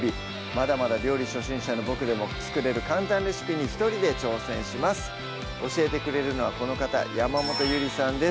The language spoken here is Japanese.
まだまだ料理初心者のボクでも作れる簡単レシピに一人で挑戦します教えてくれるのはこの方山本ゆりさんです